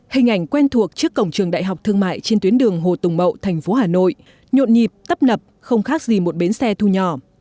hình ảnh quen thuộc trước cổng trường đại học thương mại trên tuyến đường hồ tùng mậu thành phố hà nội nhộn nhịp tấp nập không khác gì một bến xe thu nhỏ